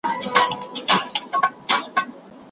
هغه څوک چې ورزش کوي، لږ ناروغه کیږي.